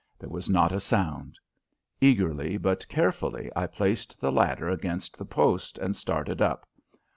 There was not a sound. Eagerly but carefully I placed the ladder against the post and started up.